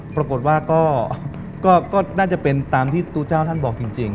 ปรากฏว่าก็น่าจะเป็นตามที่ตู้เจ้าท่านบอกจริง